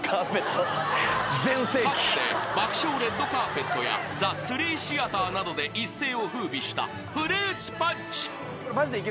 ［かつて『爆笑レッドカーペット』や『ザ・スリーシアター』などで一世を風靡したフルーツポンチ］